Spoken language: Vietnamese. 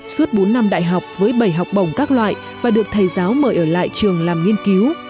suốt bốn năm đại học với bảy học bổng các loại và được thầy giáo mời ở lại trường làm nghiên cứu